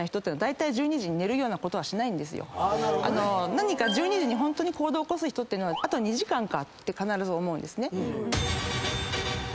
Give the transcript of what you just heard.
何か１２時にホントに行動を起こす人っていうのはあと２時間かって必ず思うんですね。